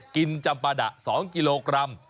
จำปาดะ๒กิโลกรัม